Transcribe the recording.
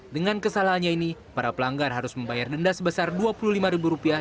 dengan kesalahannya ini para pelanggar harus membayar denda sebesar dua puluh lima ribu rupiah